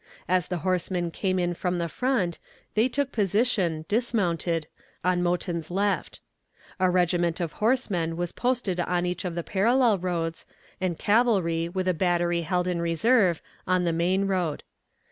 As the horsemen came in from the front, they took position, dismounted, on Mouton's left. A regiment of horsemen was posted on each of the parallel roads, and cavalry with a battery held in reserve on the main road.